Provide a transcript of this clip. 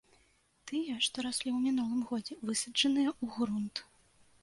Тыя, што раслі ў мінулым годзе, высаджаныя ў грунт.